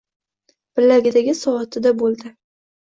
Bilagidagi soatda bo‘ldi.